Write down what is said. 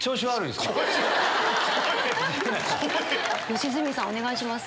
良純さんお願いします。